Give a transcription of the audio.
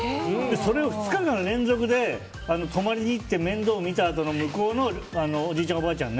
それを２日間連続で泊まりに行って面倒を見たあとのおじいちゃん、おばあちゃん